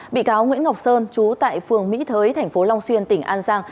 bị cáo nguyễn ngọc sơn chú tại phường mỹ thới tp long xuyên tỉnh an giang